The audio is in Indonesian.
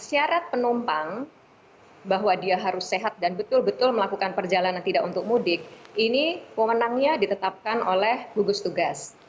syarat penumpang bahwa dia harus sehat dan betul betul melakukan perjalanan tidak untuk mudik ini pemenangnya ditetapkan oleh gugus tugas